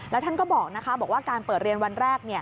แล้วท่านก็บอกว่าการเปิดเรียนวันแรก